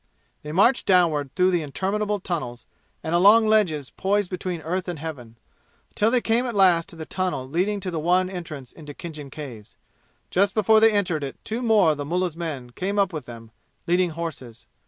They marched downward through interminable tunnels and along ledges poised between earth and heaven, until they came at last to the tunnel leading to the one entrance into Khinjan Caves. Just before they entered it two more of the mullah's men came up with them, leading horses.